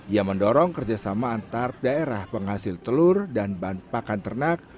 ia mendorong kerjasama antar daerah penghasil telur dan bahan pakan ternak